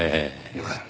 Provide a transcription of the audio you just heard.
よかった！